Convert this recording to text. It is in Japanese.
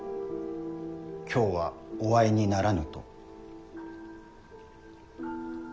今日はお会いにならぬと。